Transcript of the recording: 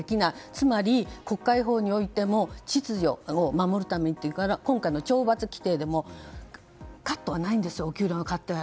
つまり国会法においても秩序を守るためというから今回の懲罰規定でもカットはないんです。